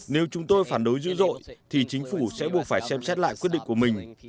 nếu chúng tôi phản đối dữ dội thì chính phủ sẽ buộc phải xem xét lại quyết định của mình